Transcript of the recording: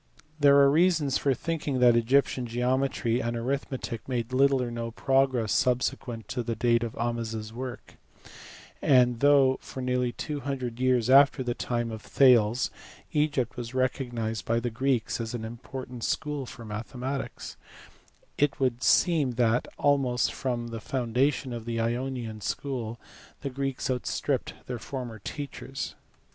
There are reasons for thinking that Egyptian geometry and arithmetic made little or no progress subsequent to the date of Ahmes s work: and though for nearly two hundred years after the time of Thales Egypt was recognized by the Greeks as an important school of mathematics, it would seem that, almost from the foundation of the Ionian school, the Greeks outstripped their former teachers.